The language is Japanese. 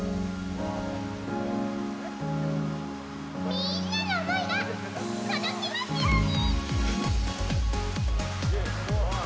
みんなの思いが届きますように！